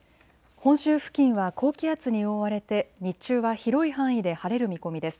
本州付近は高気圧に覆われて日中は広い範囲で晴れる見込みです。